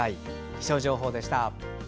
気象情報でした。